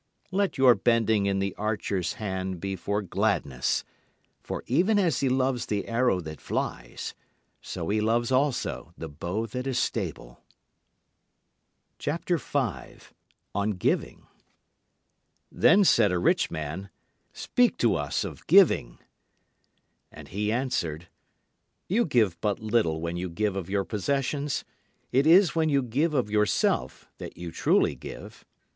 Let your bending in the Archer's hand be for gladness; For even as he loves the arrow that flies, so He loves also the bow that is stable. Then said a rich man, Speak to us of Giving. And he answered: You give but little when you give of your possessions. It is when you give of yourself that you truly give.